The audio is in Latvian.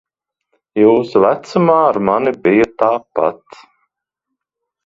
Jūsu vecumā ar mani bija tāpat.